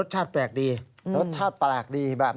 ใช่ครับ